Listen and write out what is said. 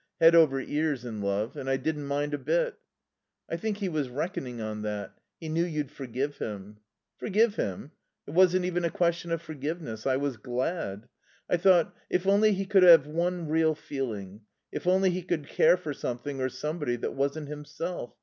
Head over ears in love. And I didn't mind a bit." "I think he was reckoning on that. He knew you'd forgive him." "Forgive him? It wasn't even a question of forgiveness. I was glad. I thought: If only he could have one real feeling. If only he could care for something or somebody that wasn't himself....